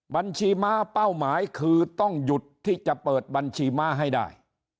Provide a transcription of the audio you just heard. บัญชีม้าเป้าหมายคือต้องหยุดที่จะเปิดบัญชีม้าให้ได้